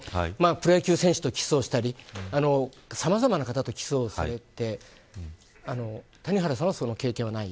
プロ野球選手とキスをしたりさまざまな方とキスをされて谷原さんは、その経験はない。